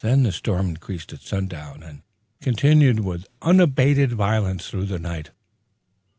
The storm increased at sundown, and continued with unabated violence through the night.